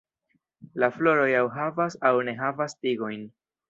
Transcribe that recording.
La floroj aŭ havas aŭ ne havas tigojn.